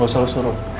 lo selalu suruh